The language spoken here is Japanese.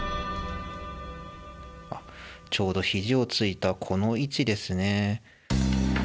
ちょうどひじをついたこの位置ですね。